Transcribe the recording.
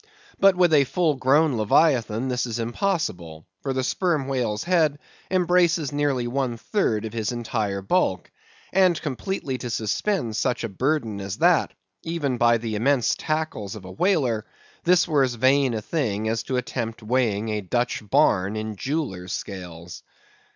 But, with a full grown leviathan this is impossible; for the sperm whale's head embraces nearly one third of his entire bulk, and completely to suspend such a burden as that, even by the immense tackles of a whaler, this were as vain a thing as to attempt weighing a Dutch barn in jewellers' scales.